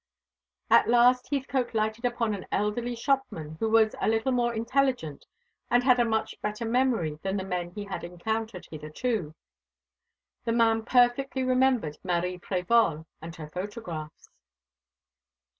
At last Heathcote lighted upon an elderly shopman, who was a little more intelligent and had a much better memory than the men he had encountered hitherto. The man perfectly remembered Marie Prévol and her photographs.